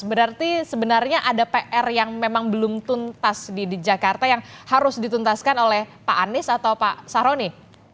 berarti sebenarnya ada pr yang memang belum tuntas di jakarta yang harus dituntaskan oleh pak anies atau pak saroni